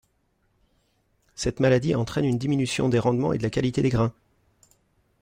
Cette maladie entraîne une diminution des rendements et de la qualité des grains.